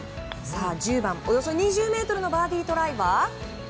さあ１０番、およそ２０ｍのバーディートライは。